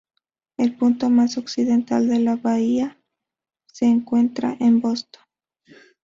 El punto más occidental de la bahía se encuentra en Boston.